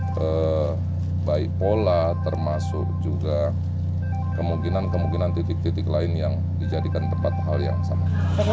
ke baik pola termasuk juga kemungkinan kemungkinan titik titik lain yang dijadikan tempat hal yang sama